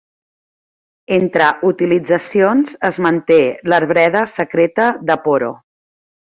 Entre utilitzacions és manté l'arbreda secreta de Poro.